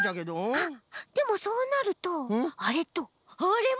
あっでもそうなるとあれとあれも。